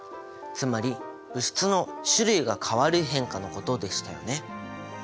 つまり物質の種類が変わる変化のことでしたよね。